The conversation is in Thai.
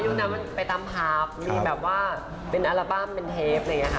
ยุ่นนั้นมันไปตามพราบมีแบบว่าเป็นอัลบั้มเป็นเทป